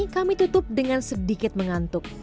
kami tutup dengan sedikit mengantuk